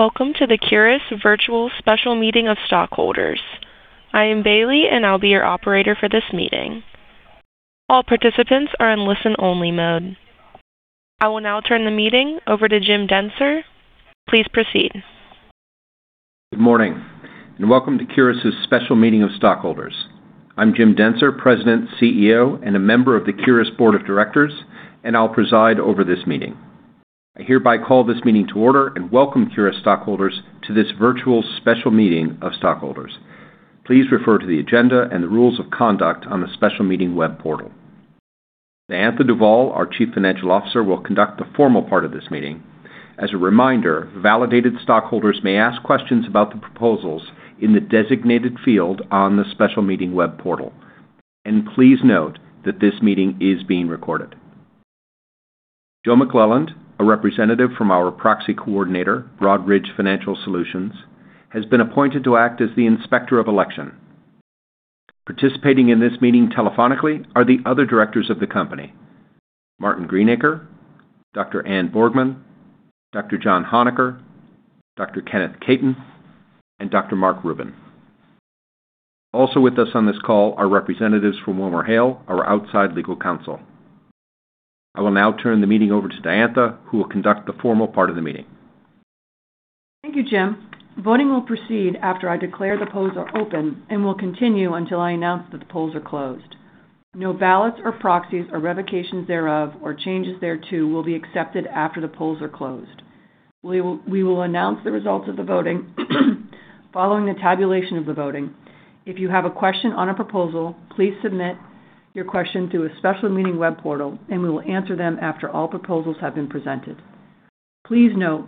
Welcome to the Curis Virtual Special Meeting of Stockholders. I am Bailey, and I'll be your operator for this meeting. All participants are in listen-only mode. I will now turn the meeting over to Jim Dentzer. Please proceed. Good morning, and welcome to Curis' Special Meeting of Stockholders. I'm Jim Dentzer, President, CEO, and a member of the Curis Board of Directors, and I'll preside over this meeting. I hereby call this meeting to order and welcome Curis stockholders to this virtual special meeting of stockholders. Please refer to the agenda and the rules of conduct on the special meeting web portal. Diantha Duvall, our Chief Financial Officer, will conduct the formal part of this meeting. As a reminder, validated stockholders may ask questions about the proposals in the designated field on the special meeting web portal. Please note that this meeting is being recorded. Joe McClelland, a representative from our proxy coordinator, Broadridge Financial Solutions, has been appointed to act as the Inspector of Election. Participating in this meeting telephonically are the other directors of the company, Martyn Greenacre, Dr. Anne Borgman, Dr. John Hohneker, Dr. Kenneth I. Kaitin, and Dr. Marc Rubin. Also with us on this call are representatives from WilmerHale, our outside legal counsel. I will now turn the meeting over to Diantha, who will conduct the formal part of the meeting. Thank you, Jim. Voting will proceed after I declare the polls are open and will continue until I announce that the polls are closed. No ballots or proxies or revocations thereof or changes thereto will be accepted after the polls are closed. We will announce the results of the voting following the tabulation of the voting. If you have a question on a proposal, please submit your question through a special meeting web portal, and we will answer them after all proposals have been presented. Please note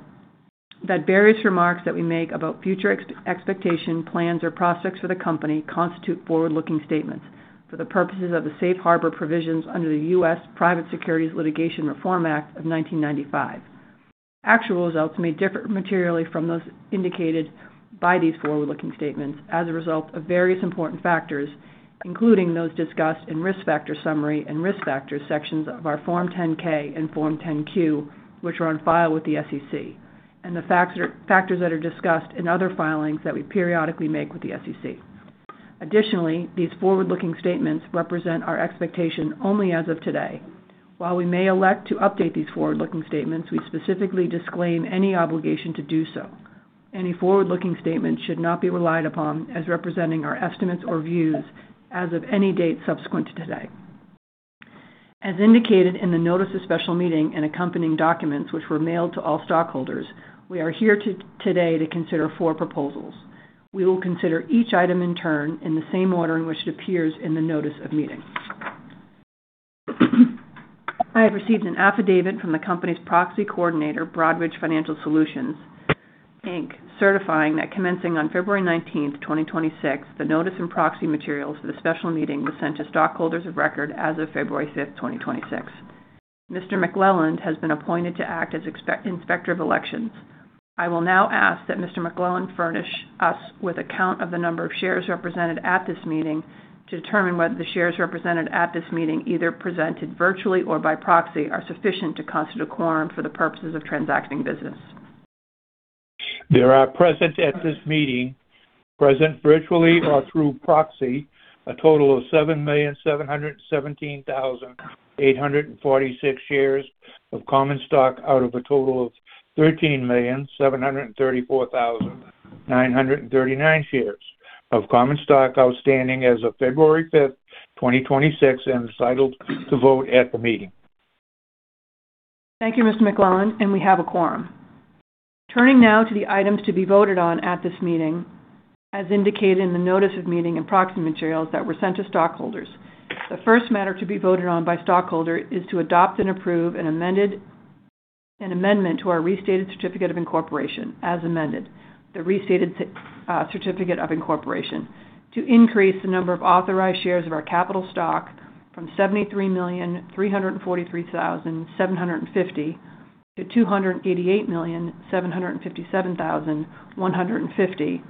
that various remarks that we make about future expectations, plans, or prospects for the Company constitute forward-looking statements for the purposes of the safe harbor provisions under the U.S. Private Securities Litigation Reform Act of 1995. Actual results may differ materially from those indicated by these forward-looking statements as a result of various important factors, including those discussed in Risk Factor Summary and Risk Factors sections of our Form 10-K and Form 10-Q, which are on file with the SEC, and the factors that are discussed in other filings that we periodically make with the SEC. Additionally, these forward-looking statements represent our expectation only as of today. While we may elect to update these forward-looking statements, we specifically disclaim any obligation to do so. Any forward-looking statement should not be relied upon as representing our estimates or views as of any date subsequent to today. As indicated in the Notice of Special Meeting and accompanying documents, which were mailed to all stockholders, we are here today to consider four proposals. We will consider each item in turn in the same order in which it appears in the notice of meeting. I have received an affidavit from the company's proxy coordinator, Broadridge Financial Solutions, Inc., certifying that commencing on February 19th, 2026, the notice and proxy materials for the special meeting was sent to stockholders of record as of February 5th, 2026. Mr. McClelland has been appointed to act as Inspector of Elections. I will now ask that Mr. McClelland furnish us with a count of the number of shares represented at this meeting to determine whether the shares represented at this meeting, either presented virtually or by proxy, are sufficient to constitute a quorum for the purposes of transacting business. There are present at this meeting, present virtually or through proxy, a total of 7,717,846 shares of common stock out of a total of 13,734,939 shares of common stock outstanding as of February 5th, 2026 and entitled to vote at the meeting. Thank you, Mr. McClelland, and we have a quorum. Turning now to the items to be voted on at this meeting. As indicated in the notice of meeting and proxy materials that were sent to stockholders. The first matter to be voted on by stockholders is to adopt and approve an amendment to our restated certificate of incorporation as amended. The restated certificate of incorporation to increase the number of authorized shares of our capital stock from 73,343,750-288,757,150,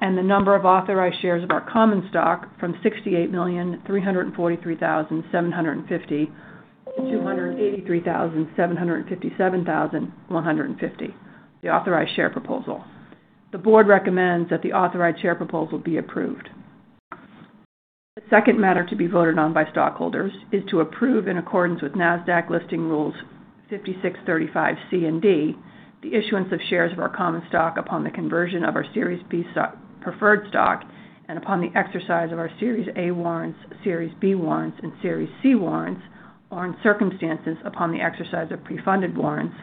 and the number of authorized shares of our common stock from 68,343,750-283,757,150. The authorized share proposal. The board recommends that the authorized share proposal be approved. The second matter to be voted on by stockholders is to approve in accordance with Nasdaq Listing Rule 5635(c) and (d), the issuance of shares of our common stock upon the conversion of our Series B preferred stock, and upon the exercise of our Series A warrants, Series B warrants, and Series C warrants, or in circumstances upon the exercise of pre-funded warrants,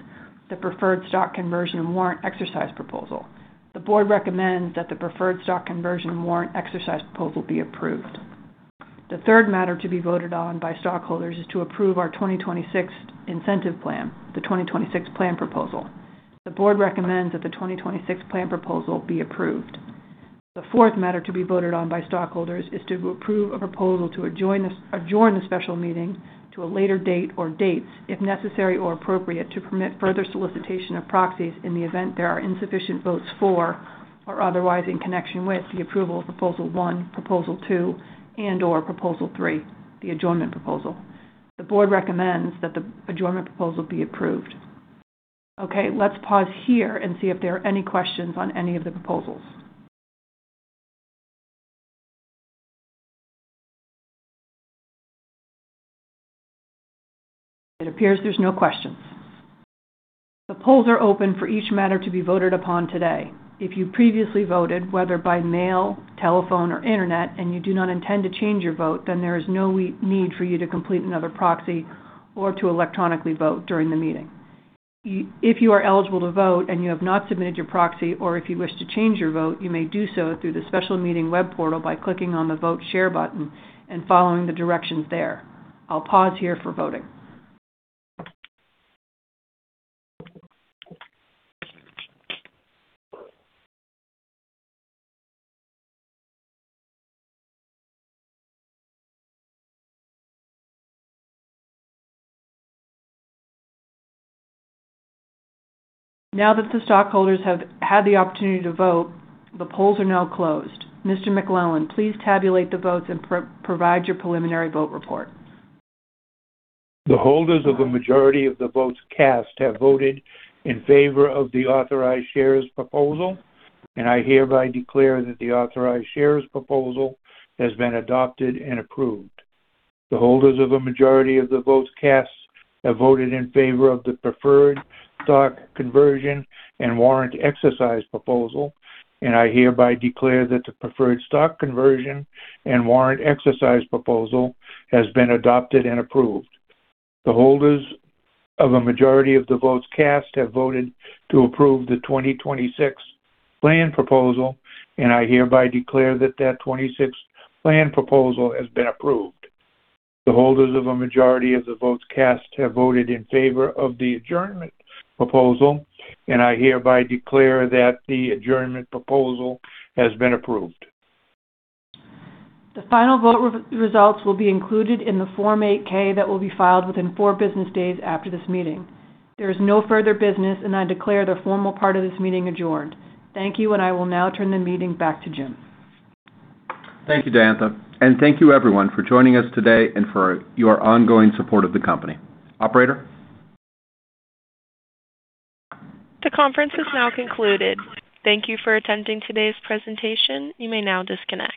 the preferred stock conversion and warrant exercise proposal. The board recommends that the preferred stock conversion warrant exercise proposal be approved. The third matter to be voted on by stockholders is to approve our 2026 Incentive Plan, the 2026 Plan Proposal. The board recommends that the 2026 Plan Proposal be approved. The fourth matter to be voted on by stockholders is to approve a proposal to adjourn the special meeting to a later date or dates if necessary or appropriate to permit further solicitation of proxies in the event there are insufficient votes for, or otherwise in connection with the approval of Proposal One, Proposal Two, and/or Proposal Three, the adjournment proposal. The board recommends that the adjournment proposal be approved. Okay, let's pause here and see if there are any questions on any of the proposals. It appears there's no questions. The polls are open for each matter to be voted upon today. If you previously voted, whether by mail, telephone or internet, and you do not intend to change your vote, then there is no need for you to complete another proxy or to electronically vote during the meeting. If you are eligible to vote and you have not submitted your proxy, or if you wish to change your vote, you may do so through the special meeting web portal by clicking on the Vote Share button and following the directions there. I'll pause here for voting. Now that the stockholders have had the opportunity to vote, the polls are now closed. Mr. McClelland, please tabulate the votes and provide your preliminary vote report. The holders of a majority of the votes cast have voted in favor of the authorized shares proposal, and I hereby declare that the authorized shares proposal has been adopted and approved. The holders of a majority of the votes cast have voted in favor of the preferred stock conversion and warrant exercise proposal, and I hereby declare that the preferred stock conversion and warrant exercise proposal has been adopted and approved. The holders of a majority of the votes cast have voted to approve the 2026 Plan Proposal, and I hereby declare that the 2026 Plan Proposal has been approved. The holders of a majority of the votes cast have voted in favor of the adjournment proposal, and I hereby declare that the adjournment proposal has been approved. The final vote results will be included in the Form 8-K that will be filed within four business days after this meeting. There is no further business, and I declare the formal part of this meeting adjourned. Thank you, and I will now turn the meeting back to Jim. Thank you, Diantha, and thank you everyone for joining us today and for your ongoing support of the company. Operator? The conference is now concluded. Thank you for attending today's presentation. You may now disconnect.